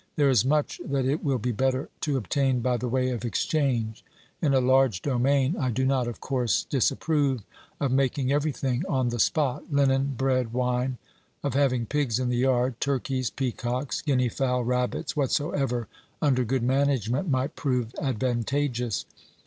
There is much that it will be better to obtain by the way of exchange. In a large domain 294 OBERMANN I do not, of course, disapprove of making everything on the spot — hnen, bread, wine ; of having pigs in the yard, turkeys, peacocks, guinea fowl, rabbits — whatsoever, under good management, might prove advantageous.